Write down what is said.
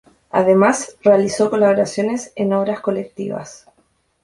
Además realizó colaboraciones en obras colectivas.